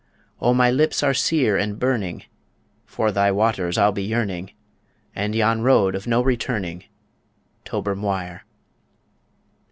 O my lips are sere and burning For thy waters I'll be yearning, And yon road of no returning, Tober Mhuire.